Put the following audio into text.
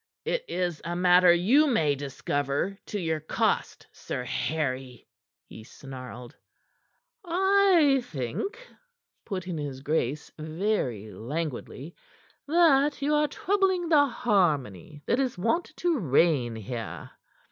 "It is a matter you may discover to your cost, Sir Harry," he snarled. "I think," put in his grace very languidly, "that you are troubling the harmony that is wont to reign here."